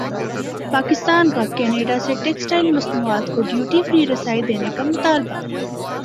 پاکستان کاکینیڈا سے ٹیکسٹائل مصنوعات کو ڈیوٹی فری رسائی دینے کامطالبہ